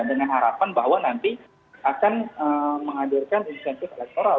dengan harapan bahwa nanti akan menghadirkan insentif elektoral